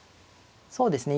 そうですね。